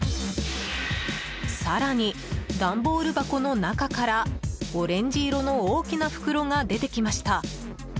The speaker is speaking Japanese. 更に、段ボール箱の中からオレンジ色の大きな袋が出てきました。